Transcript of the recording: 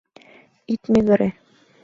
— Ит мӱгырӧ!